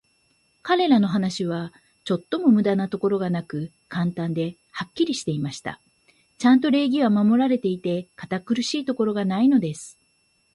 彼等の話は、ちょっとも無駄なところがなく、簡単で、はっきりしていました。ちゃんと礼儀は守られていて、堅苦しいところがないのです。